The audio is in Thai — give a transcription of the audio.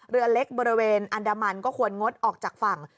เรือเล็กบริเวณอันดามันก็ควรงดออกจากฝั่ง